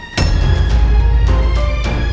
semua kebohongan kamu itu